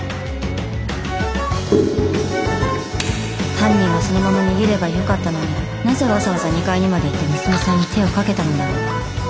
犯人はそのまま逃げればよかったのになぜわざわざ２階にまで行って娘さんに手を掛けたのだろうか。